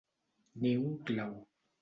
Ni un clau.